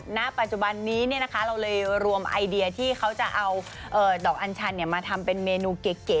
ณปัจจุบันนี้เราเลยรวมไอเดียที่เขาจะเอาดอกอัญชันมาทำเป็นเมนูเก๋